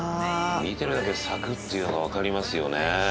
見てるだけでサクッというのがわかりますよね。